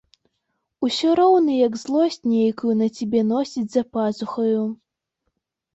Усё роўна як злосць нейкую на цябе носіць за пазухаю.